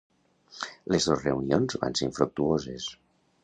Les dos reunions van ser infructuoses.